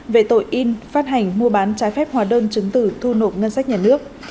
về tội in phát hành mua bán trái phép hóa đơn chứng tử thu nộp ngân sách nhà nước